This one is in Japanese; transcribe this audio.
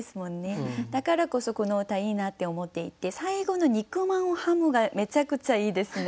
だからこそこの歌いいなって思っていて最後の「肉まんを食む」がめちゃくちゃいいですね。